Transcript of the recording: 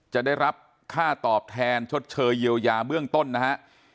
จะได้รับค่าตอบแทนชดเชยเยียวยาเบื้องต้นนะฮะ